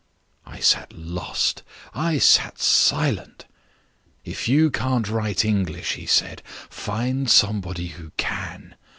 I sat lost; I sat silent. 'If you can't write English,' he said, 'find somebody who can.